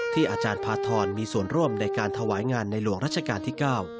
อาจารย์พาทรมีส่วนร่วมในการถวายงานในหลวงรัชกาลที่๙